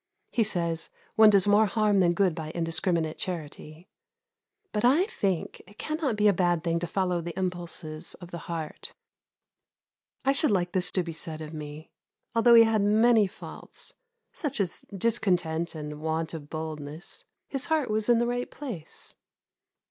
He says one does more harm than good by indiscriminate charity. But I think it cannot be a bad thing to follow the impulses of the heart. I should like this to be said of me: "Although he had many faults, such as discontent and want of boldness, his heart was in the right place."